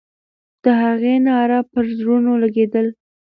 د هغې ناره پر زړونو لګېدله.